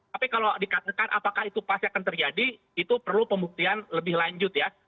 tapi kalau dikatakan apakah itu pasti akan terjadi itu perlu pembuktian lebih lanjut ya